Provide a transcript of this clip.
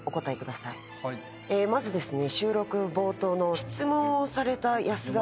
まずですね。